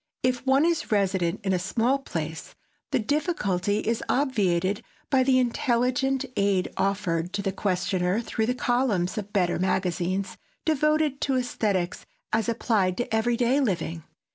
If one is resident in a small place, the difficulty is obviated by the intelligent aid offered to the questioner through the columns of the better magazines devoted to esthetics as applied to every day living.